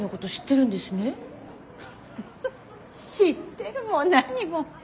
フフッ知ってるも何も。